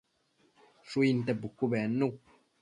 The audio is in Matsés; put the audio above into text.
Shuinte pucu bednu